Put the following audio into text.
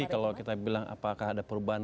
kalau kita bilang apakah ada perubahan